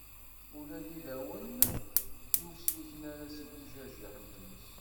Ula d iddawen ur sliken ara seg ujajiḥ n tmes